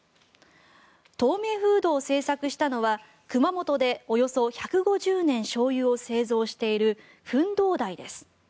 透明フードを製作したのは熊本でおよそ１５０年しょうゆを製造しているフンドーダイです。